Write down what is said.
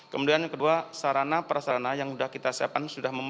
kemudian yang kedua sarana perasarana yang sudah kita siapkan